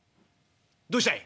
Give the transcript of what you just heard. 「どうしたい？」。